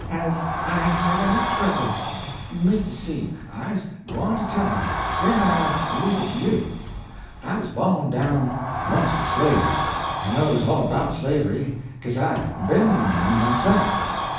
"Has I had any trouble? Misto C , I's gwyne to tell you, den I leave it to you. I was bawn down 'mongst de slaves; I knows all 'bout slavery, 'case I ben one of 'em my own se'f.